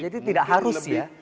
jadi tidak harus ya